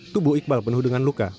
tubuh iqbal penuh dengan luka